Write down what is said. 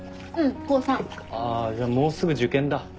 あじゃあもうすぐ受験だ。